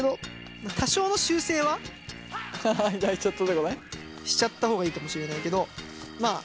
多少の修正はしちゃった方がいいかもしれないけどまあ。